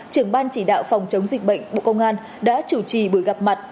trưởng ban chỉ đạo phòng chống dịch bệnh bộ công an đã chủ trì buổi gặp mặt